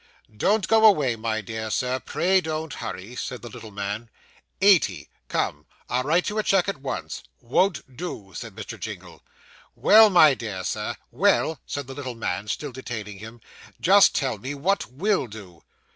'Don't go away, my dear sir pray don't hurry,' said the little man. 'Eighty; come: I'll write you a cheque at once.' 'Won't do,' said Mr. Jingle. 'Well, my dear Sir, well,' said the little man, still detaining him; 'just tell me what will do.